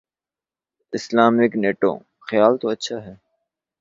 Islamic NATO: خیال تو اچھا ہے۔